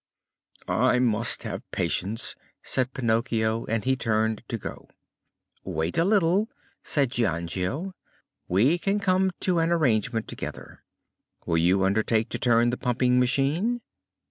"I must have patience!" said Pinocchio, and he turned to go. "Wait a little," said Giangio. "We can come to an arrangement together. Will you undertake to turn the pumping machine?"